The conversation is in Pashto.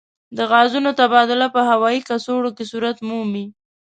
د غازونو تبادله په هوايي کڅوړو کې صورت مومي.